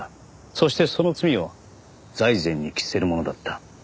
そしてその罪を財前に着せるものだった。